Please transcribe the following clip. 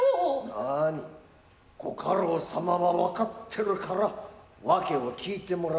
ナァニ御家老様は分かってるから訳を聞いてもらうんだい。